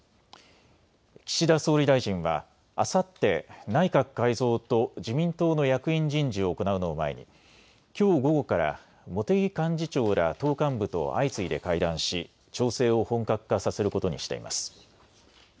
岸田総理大臣はあさって内閣改造と自民党の役員人事を行うのを前にきょう午後から茂木幹事長ら党幹部と相次いで会談し、調整を本格化させることにしています。